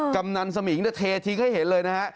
กำนันสมิงเททิ้งให้เห็นเลยนะฮะ